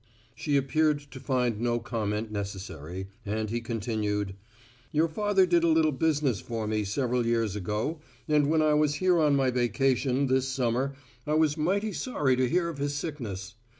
She appeared to find no comment necessary, and he continued: "Your father did a little business for me, several years ago, and when I was here on my vacation, this summer, I was mighty sorry to hear of his sickness.